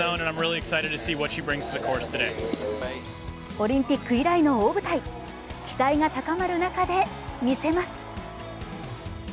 オリンピック以来の大舞台、期待が高まる中で見せます。